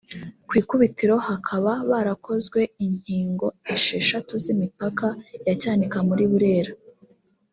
Ku ikubitiro hakaba barakozwe inyingo esheshatu z’imipaka ya Cyanika muri Burera